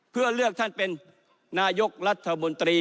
เพื่อเลือกท่านเป็นนายกรัฐมนตรี